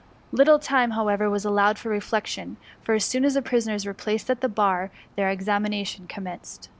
Little time, however, was allowed for reflection ; for as soon as the prisoners were placed at the bar their ex« amination commenced.